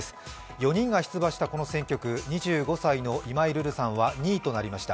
４人が出馬したこの選挙区、２５歳の今井さんは２位となりました。